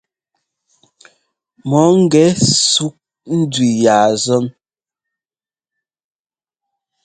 Mɔ ŋgɛ ɛsuk ndʉ ya zɔ́n.